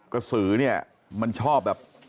กระสือเนี่ยมันชอบแบบ